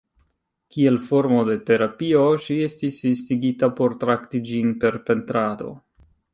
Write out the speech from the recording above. Kiel formo de terapio, ŝi estis instigita por trakti ĝin per pentrado.